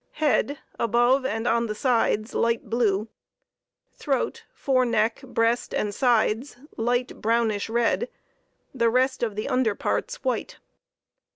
Head above and on the sides light blue. Throat, fore neck, breast, and sides light brownish red, the rest of the under parts white.